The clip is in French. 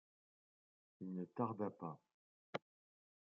Il ne tarda pas.